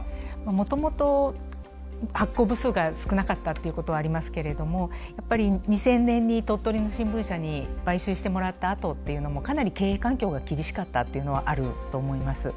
もともと発行部数が少なかったっていうことはありますけれどもやっぱり２０００年に鳥取の新聞社に買収してもらったあとっていうのもかなり経営環境が厳しかったっていうのはあると思います。